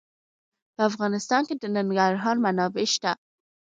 په افغانستان کې د ننګرهار منابع شته.